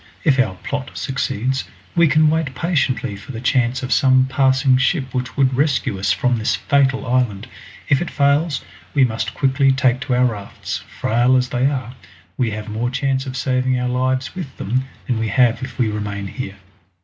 If our plot succeeds, we can wait patiently for the chance of some passing ship which would rescue us from this fatal island. If it fails, we must quickly take to our rafts; frail as they are, we have more chance of saving our lives with them than we have if we remain here."